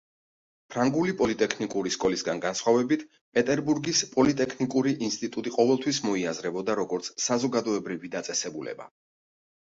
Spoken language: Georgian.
ფრანგული პოლიტექნიკური სკოლისგან განსხვავებით პეტერბურგის პოლიტექნიკური ინსტიტუტი ყოველთვის მოიაზრებოდა როგორც საზოგადოებრივი დაწესებულება.